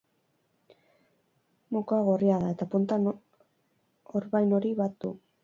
Mokoa gorria da, eta puntan orbain hori bat du.